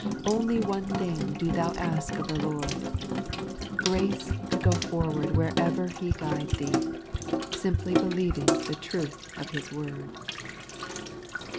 Only one thing do thou ask of the Lord — Grace to go forward wherever He guide thee, Simply believing the truth of His word.